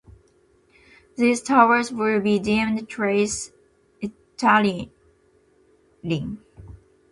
These towers would be deemed trace Italienne.